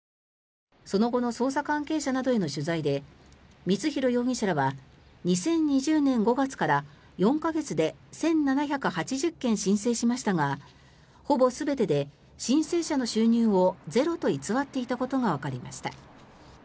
その後の捜査関係者などへの取材で光弘容疑者らは２０２０年５月から４か月で１７８０件申請しましたがほぼ全てで申請者の収入をゼロと偽っていたことがわかりました。